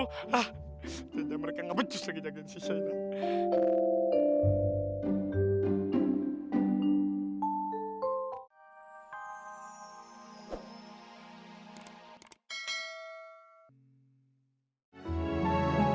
ah ternyata mereka ngebecus lagi jagan saya